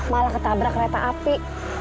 malah ketabrak kereta api